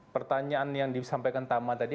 pertanyaan yang disampaikan tama tadi